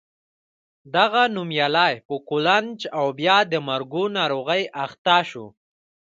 دغه نومیالی په قولنج او بیا د مرګو ناروغۍ اخته شو.